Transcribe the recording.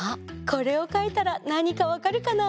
これをかいたらなにかわかるかな。